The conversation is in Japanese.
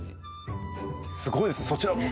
すごいですねそちらも。